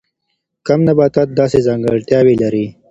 کم نباتات داسې ځانګړتیاوې لري.